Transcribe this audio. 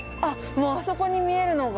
もうあそこに見えるのが。